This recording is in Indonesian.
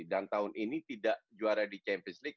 dan tahun ini tidak juara di champions league